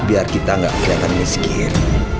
biar kita gak keliatan miskin